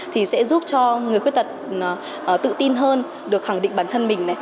thì sẽ giúp cho người khuyết tật tự tin hơn được khẳng định bản thân mình